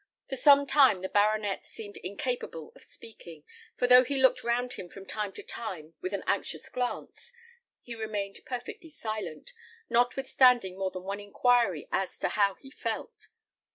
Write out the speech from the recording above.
For some time the baronet seemed incapable of speaking, for though he looked round from time to time with an anxious glance, he remained perfectly silent, notwithstanding more than one inquiry as to how he felt.